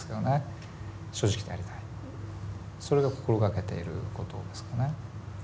それが心がけていることですかね。